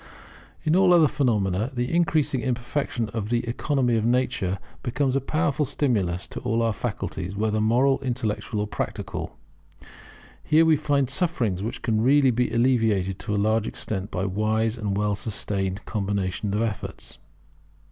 In all other phenomena, the increasing imperfection of the economy of nature becomes a powerful stimulus to all our faculties, whether moral, intellectual or practical. Here we find sufferings which can really be alleviated to a large extent by wise and well sustained combination of efforts.